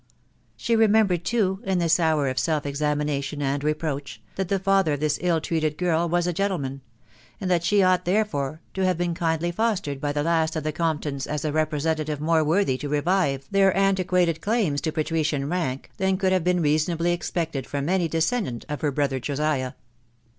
She re membered, too, in this hour of self examination and reproach, that the father of this ill treated girl was a gentleman ; and that she ought, therefore, to have been kindly fostered by the last of the Comptons as a representative more worthy to revive their antiquated claims to patrician rank, than could have been reasonably expected from any descendant of her brother Josiah.